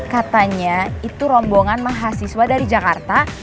katanya itu rombongan mahasiswa dari jakarta